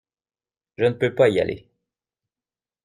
Je ne peux pas y aller.